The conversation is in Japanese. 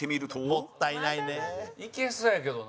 後藤：いけそうやけどな。